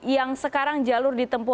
yang sekarang jalur ditempuh